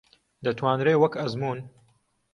دەتوانرێ وەک ئەزموون